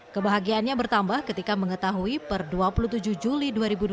kebahagiaannya bertambah ketika mengetahui per dua puluh tujuh juli dua ribu dua puluh